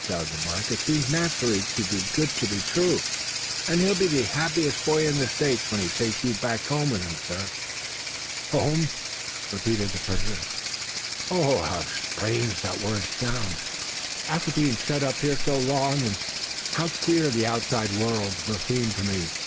Thad remarked. "It seems nearly too good to be true; and he'll be the happiest boy in the States when he takes you back home with him, sir." "Home!" repeated the prisoner; "how strange that word sounds, after being shut up here so long. And how queer the outside world will seem to me.